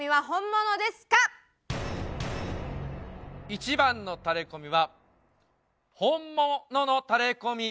１番のタレコミはホンモノのタレコミ。